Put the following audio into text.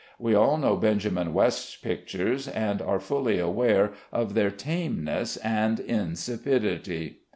We all know Benjamin West's pictures, and are fully aware of their tameness and insipidity.